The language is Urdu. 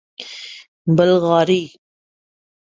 بلغاری